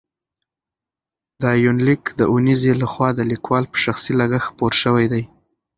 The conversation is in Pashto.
دا یونلیک د اونیزې له خوا د لیکوال په شخصي لګښت خپور شوی دی.